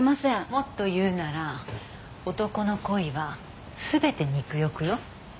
もっと言うなら男の恋は全て肉欲よ。